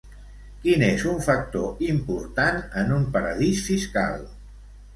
Quin és un factor important en un paradís fiscal?